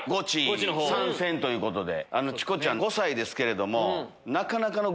チコちゃん５歳ですけれども。